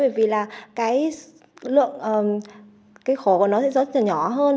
bởi vì là cái lượng cái khổ của nó sẽ gió nhỏ hơn